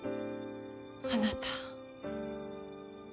あなた。